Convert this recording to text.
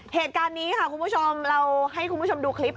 เหตุการณ์นี้ค่ะคุณผู้ชมเราให้คุณผู้ชมดูคลิป